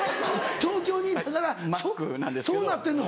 東京にいながらそうなってんの？